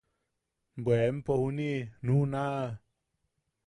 –Bwe empo juniʼi nuʼuna.